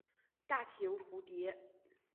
大型蝴蝶。